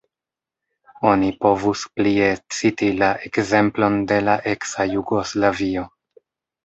Oni povus plie citi la ekzemplon de la eksa Jugoslavio.